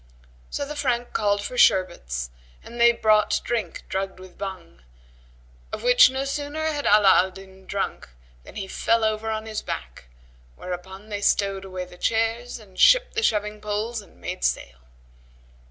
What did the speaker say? So the Frank called for sherbets and they brought drink drugged with Bhang, of which no sooner had Ala al Din drunk, than he fell over on his back; whereupon they stowed away the chairs and shipped the shoving poles and made sail.